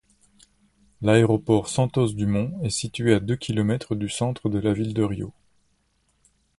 L'aéroport Santos-Dumont est situé à deux kilomètres du centre de la ville de Rio.